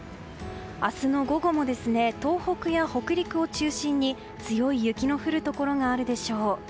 明日の午後も東北や北陸を中心に強い雪の降るところがあるでしょう。